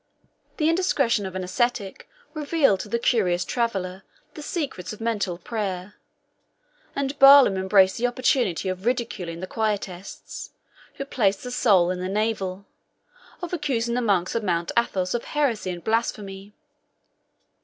The indiscretion of an ascetic revealed to the curious traveller the secrets of mental prayer and Barlaam embraced the opportunity of ridiculing the Quietists, who placed the soul in the navel; of accusing the monks of Mount Athos of heresy and blasphemy.